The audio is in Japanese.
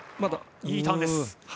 いいターンです。